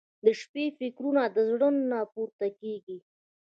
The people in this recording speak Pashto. • د شپې فکرونه د زړه نه پورته کېږي.